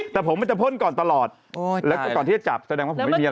แต่ผมมันจะพ่นก่อนตลอดแล้วก็ก่อนที่จะจับแสดงว่าผมไม่มีอะไร